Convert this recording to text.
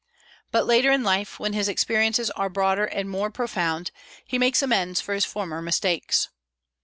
But later in life, when his experiences are broader and more profound, he makes amends for his former mistakes.